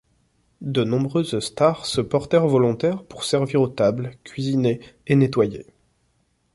De nombreuses stars se portèrent volontaires pour servir aux tables, cuisiner et nettoyer.